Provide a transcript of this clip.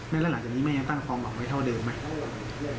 แล้วหลังจากนี้แม่ยังตั้งความหวังไว้เท่าเดิมไหม